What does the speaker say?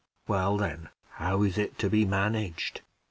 "Well, then, how is it to be managed?"